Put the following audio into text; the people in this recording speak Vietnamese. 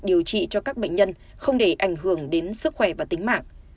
điều trị cho các bệnh nhân không để ảnh hưởng đến sức khỏe và tính mạng